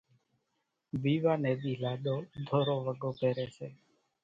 ويوا نيَ ۮِي لاڏو ڌورو وڳو پيريَ سي۔